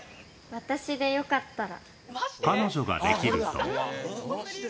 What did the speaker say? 私でよかったら。